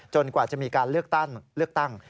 จนกว่าจะมีการเลือกตั้ง